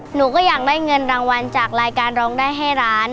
หนูก็อยากได้เงินรางวัลจากรายการร้องได้ให้ร้าน